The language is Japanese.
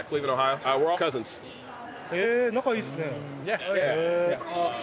へぇ仲いいですね。